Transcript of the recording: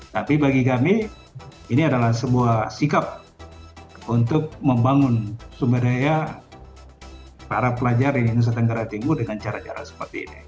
tapi bagi kami ini adalah sebuah sikap untuk membangun sumber daya para pelajar di nusa tenggara timur dengan cara cara seperti ini